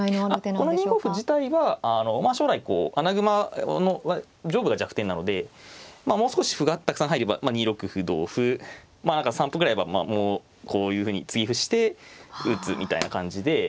この２五歩自体は将来こう穴熊上部が弱点なのでもう少し歩がたくさん入れば２六歩同歩まあ何か３歩ぐらいはこういうふうに継ぎ歩して打つみたいな感じで。